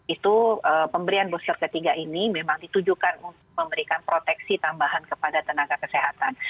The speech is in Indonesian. itu pemberian booster ketiga ini memang ditujukan untuk memberikan proteksi tambahan kepada tenaga kesehatan